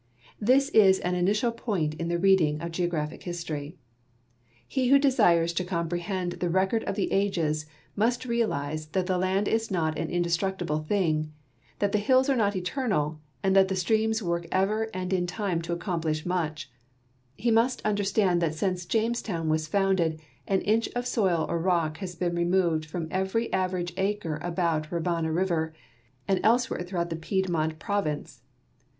This is an initial point in the reading of geographic history. He who desires to com prehend the record of the ages must realize that the land is not an indestructildc thing, that the hills are not eternal, that the streams work ever and in time accomplish much ; he must un derstand that since Jamestown was founded an inch of soil or rock has been removed from every average acre ahout Rivanna 2(U 262 GEOGRAPHIC HISTOR Y OF PIEDMONT PLA TEA U river and elsewhere throughout the Piedmont province.